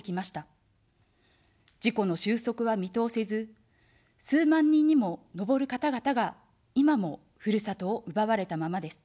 事故の収束は見通せず、数万人にものぼる方々が今もふるさとを奪われたままです。